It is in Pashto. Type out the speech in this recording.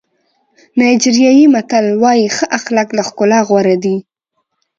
نایجیریایي متل وایي ښه اخلاق له ښکلا غوره دي.